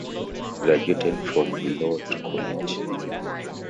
He graduated from Beloit College.